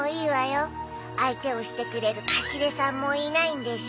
相手をしてくれるカシレさんもいないんでしょ？